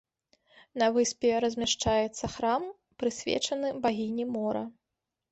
На выспе размяшчаецца храм, прысвечаны багіні мора.